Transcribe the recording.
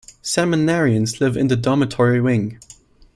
Seminarians live in the dormitory wing.